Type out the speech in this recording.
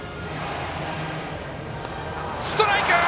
ストライク！